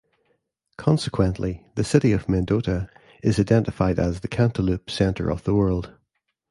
Consequently, the city of Mendota is identified as The Cantaloupe Center of the World.